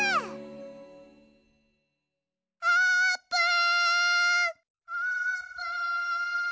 あーぷん！